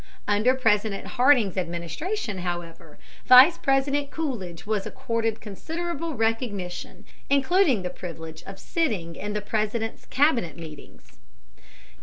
Under President Harding's administration, however, Vice President Coolidge was accorded considerable recognition, including the privilege of sitting in the President's Cabinet meetings.